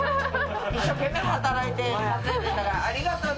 一生懸命働いて稼いで。